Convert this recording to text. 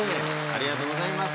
ありがとうございます。